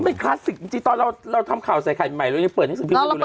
มันเป็นคลาสสิกจริงตอนเราทำข่าวใส่ไข่ใหม่เราก็เปิดหนังสือพิมพ์ไปดูเลยเนอะ